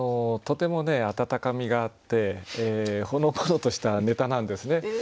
とてもね温かみがあってほのぼのとしたネタなんですね。